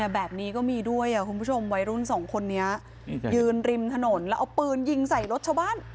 แบบนี้ก็มีด้วยคุณผู้ชมวัยรุ่นสองคนนี้ยืนริมถนนแล้วเอาปืนยิงใส่รถชาวบ้าน